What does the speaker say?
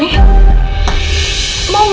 dia sudah berhenti